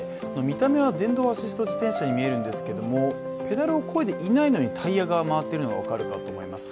見た目は電動アシスト自転車に見えるんですけれどもペダルをこいでいないのに、タイヤが回っているのが分かるかと思います。